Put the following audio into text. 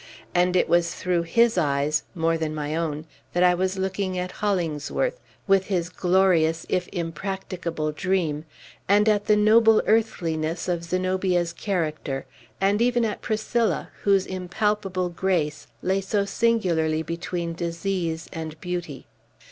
And it was through his eyes, more than my own, that I was looking at Hollingsworth, with his glorious if impracticable dream, and at the noble earthliness of Zenobia's character, and even at Priscilla, whose impalpable grace lay so singularly between disease and beauty.